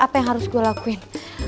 apa yang harus gue lakuin